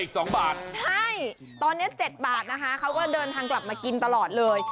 สองบาทใช่ตอนนี้๗บาทนะคะเขาก็เดินทางกลับมากินตลอดเลย